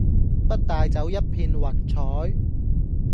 不帶走一片雲彩